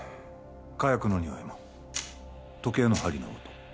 火薬のニオイも時計の針の音